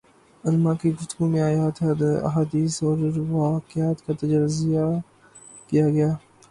علماء کی گفتگو میں آیات ، احادیث اور واقعات کا تجزیہ کیا گیا